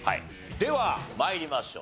では参りましょう。